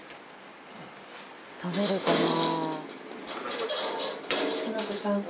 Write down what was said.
食べるかな？